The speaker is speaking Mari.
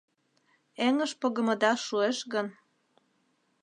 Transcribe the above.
Эҥыж погымыда шуэш гын